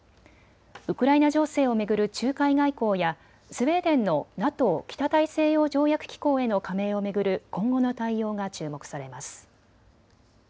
ウクライナ情勢を巡る仲介外交やスウェーデンのＮＡＴＯ・北大西洋条約機構への加盟を巡る今後の対応が注目されます。